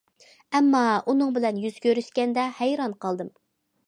ئەمما، ئۇنىڭ بىلەن يۈز كۆرۈشكەندە ھەيران قالدىم.